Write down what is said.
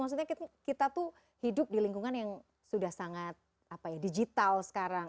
maksudnya kita tuh hidup di lingkungan yang sudah sangat digital sekarang